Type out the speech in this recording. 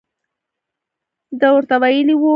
ده ورته ویلي وو.